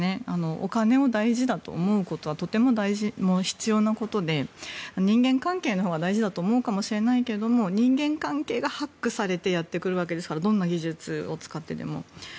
お金を大事だと思うことはとても大事、必要なことで人間関係のほうが大事だと思うかもしれないけど人間関係がハックされてやってくるわけですからどんな技術を使ってでも。